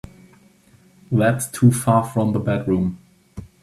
That's too far from the bedroom.